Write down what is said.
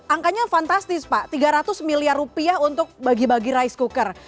angkanya fantastis pak rp tiga ratus miliar untuk bagi bagi rest cooker